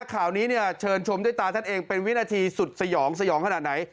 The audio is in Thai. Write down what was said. ข่าวนี้เนี่ยเชิญชมด้วยตาท่านเองเป็นวินาทีสุดสยองสยองขนาดไหน